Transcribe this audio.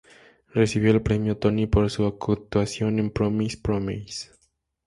Recibió el premio Tony por su actuación en "Promises, promises".